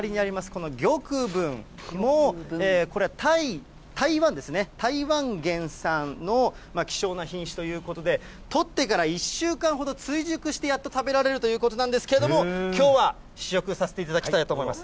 この玉文も、これは台湾ですね、台湾原産の希少な品種ということで、取ってから１週間ほど追熟してやっと食べられるということなんですけれども、きょうは試食させていただきたいと思います。